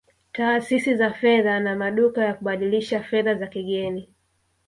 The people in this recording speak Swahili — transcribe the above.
Taasisi za fedha na maduka ya kubadilisha fedha za kigeni